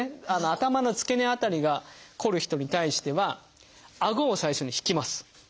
頭の付け根辺りがこる人に対してはあごを最初に引きます。